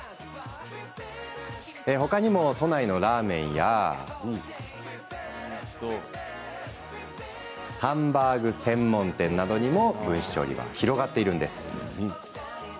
他にも都内のラーメンやハンバーグ専門店などにも分子調理は広がっているんです。